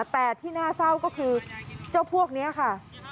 แต่ที่น่าเศร้าก็คือเจ้าพวกนี้ค่ะ